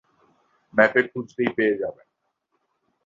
ম্যাপে খুঁজলেই পেয়ে যাবেন।